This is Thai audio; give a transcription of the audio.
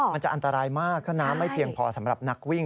มันจะอันตรายมากถ้าน้ำไม่เพียงพอสำหรับนักวิ่ง